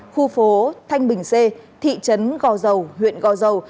khu phố thanh bình c thị trấn gò dầu huyện gò dầu